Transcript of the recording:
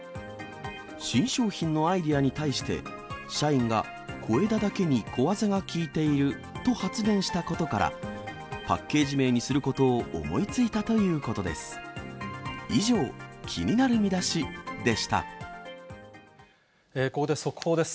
新商品のアイデアに対して、社員が、小枝だけに小技が効いていると発言したことから、パッケージ名にすることを思いついたということです。